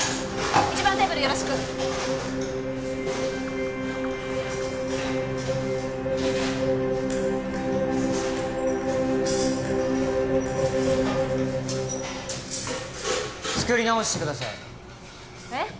１番テーブルよろしく作り直してくださいえっ？